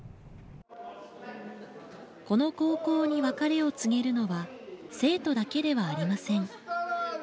この高校に別れを告げるのは生徒だけではありません。